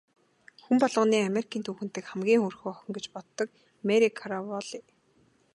Хүн болгоны Америкийн түүхэн дэх хамгийн хөөрхөн охин гэж боддог Мари Караволли.